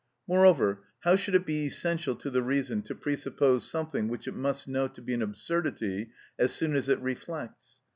Moreover, how should it be essential to the reason to presuppose something which it must know to be an absurdity as soon as it reflects?